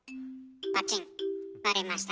パチン。